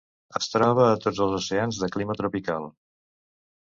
Es troba a tots els oceans de clima tropical.